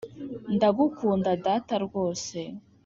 ndagukunda, data rwose,